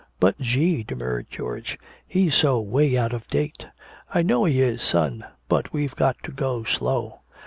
"But, Gee!" demurred George. "He's so 'way out of date!" "I know he is, son, but we've got to go slow."